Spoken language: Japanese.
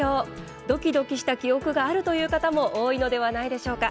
ドキドキした記憶があるという方も多いのではないでしょうか。